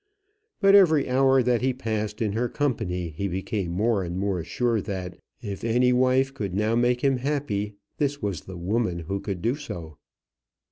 But every hour that he passed in her company he became more and more sure that, if any wife could now make him happy, this was the woman who could do so.